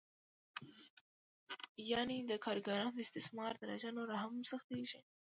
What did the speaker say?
یانې د کارګرانو د استثمار درجه نوره هم سختېږي